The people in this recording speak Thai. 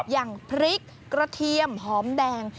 อย่างพริกกระเทียมหอมแดง